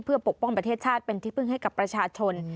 เพื่อปกป้องประเทศชาติเป็นที่พึ่งให้กับประชาชน